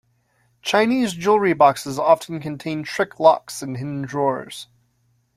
Chinese jewelry boxes often contain trick locks and hidden drawers.